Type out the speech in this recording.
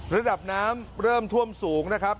ระดับน้ำเริ่มท่วมสูงนะครับ